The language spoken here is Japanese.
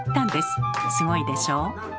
すごいでしょ？